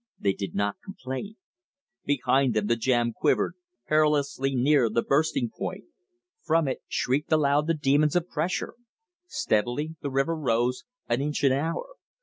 They did not complain. Behind them the jam quivered, perilously near the bursting point. From it shrieked aloud the demons of pressure. Steadily the river rose, an inch an hour.